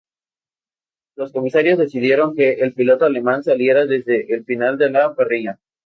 Los comisarios decidieron que el piloto alemán saliera desde el final de la parrilla.